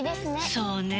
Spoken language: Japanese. そうねぇ。